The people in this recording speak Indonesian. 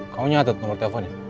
kamu nyatet nomor teleponnya